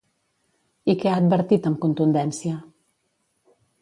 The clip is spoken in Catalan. I què ha advertit amb contundència?